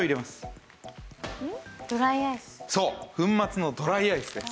そう粉末のドライアイスです。